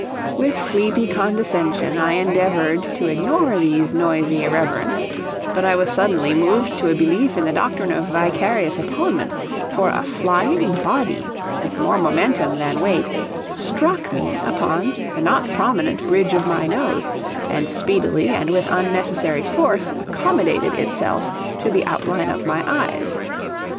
With sleepy condescension I endeavored to ignore these noisy irreverents, but I was suddenly moved to a belief in the doctrine of vicarious atonement, for a flying body, with more momentum than weight, struck me upon the not prominent bridge of my nose, and speedily and with unnecessary force accommodated itself to the outline of my eyes.